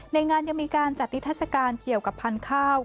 ในงานยังมีการจัดนิทัศกาลเกี่ยวกับพันธุ์ข้าว